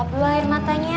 apalah air matanya